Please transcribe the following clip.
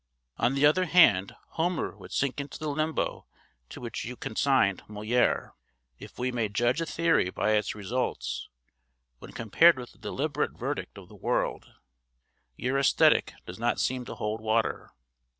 On the other hand Homer would sink into the limbo to which you consigned Moliére. If we may judge a theory by its results, when compared with the deliberate verdict of the world, your aesthetic does not seem to hold water.